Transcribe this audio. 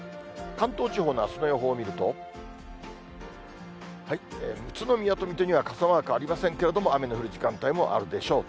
関東地方のあすの予報を見ると、宇都宮と水戸には傘マークありませんけれども、雨の降る時間帯もあるでしょう。